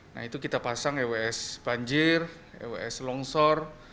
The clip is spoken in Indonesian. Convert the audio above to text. nah itu kita pasang ews banjir ews longsor